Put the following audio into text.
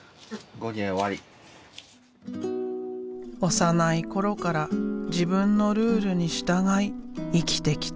幼い頃から自分のルールに従い生きてきた。